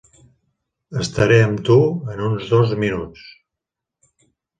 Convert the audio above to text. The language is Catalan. Estaré amb tu en uns dos minuts.